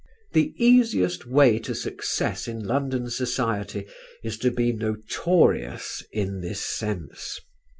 The easiest way to success in London society is to be notorious in this sense.